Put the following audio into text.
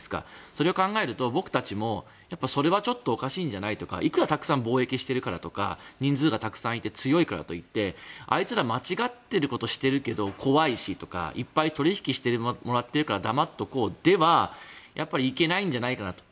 それを考えると僕たちも、それはちょっとおかしいんじゃない？とかいくらたくさん貿易してるからとか人数がたくさんいて強いからといってあいつら間違っていることしているけど怖いし、とかいっぱい取引してもらっているから黙っておこうでは、やっぱりいけないんじゃないかなと。